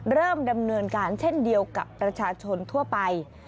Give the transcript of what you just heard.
เริ่มดำเนินการเช่นเดียวกับประชาชนทั่วไป